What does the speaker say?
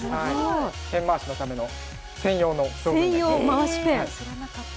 ペン回しのための専用のペンです。